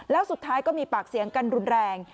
แล้วสุดท้ายก็มีปากเสียงกันรุนแรง